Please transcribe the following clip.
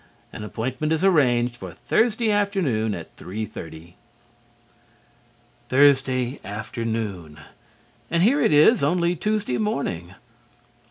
An appointment is arranged for Thursday afternoon at 3:30. Thursday afternoon, and here it is only Tuesday morning!